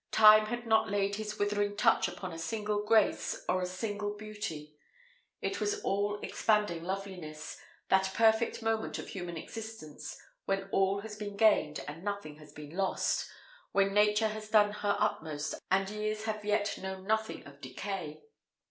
Time had not laid his withering touch upon a single grace, or a single beauty; it was all expanding loveliness that perfect moment of human existence, when all has been gained, and nothing has been lost; when nature has done her utmost, and years have yet known nothing of decay.